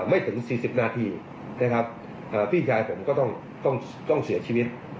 ไม่ถึง๔๐นาทีนะครับพี่ชายผมก็ต้องต้องเสียชีวิต